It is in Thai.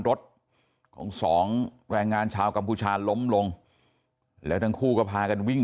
รถของสองแรงงานชาวกัมพูชาล้มลงแล้วทั้งคู่ก็พากันวิ่ง